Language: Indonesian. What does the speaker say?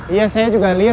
iya saya juga liat